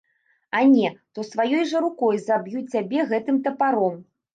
А не, то сваёй жа рукой заб'ю цябе гэтым тапаром!